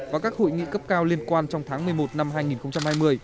và các hội nghị cấp cao liên quan trong tháng một mươi một năm hai nghìn hai mươi